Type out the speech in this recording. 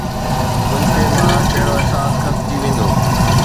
گنچي مان ڪهڙو احسان کسجي ويندو؟